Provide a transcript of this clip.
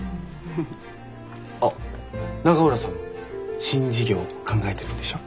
あっ永浦さんも新事業考えてるんでしょ？